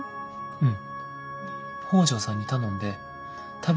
うん。